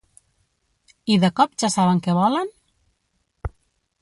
I de cop ja saben què volen?